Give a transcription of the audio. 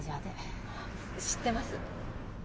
知ってます。